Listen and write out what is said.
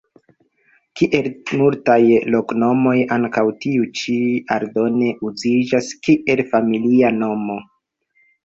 Kiel multaj loknomoj, ankaŭ tiu ĉi aldone uziĝas kiel familia nomo.